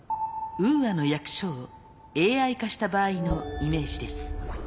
ウーアの役所をＡＩ化した場合のイメージです。